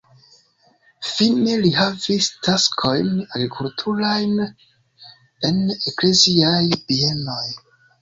Fine li havis taskojn agrikulturajn en ekleziaj bienoj.